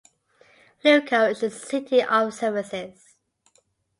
Lugo is a city of services.